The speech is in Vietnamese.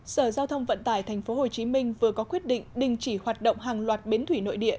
sở giao thông vận tải tp hcm vừa có quyết định đình chỉ hoạt động hàng loạt bến thủy nội địa